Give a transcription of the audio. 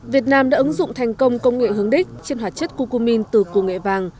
việt nam đã ứng dụng thành công công nghệ hướng đích trên hạt chất cucumin từ củ nghệ vàng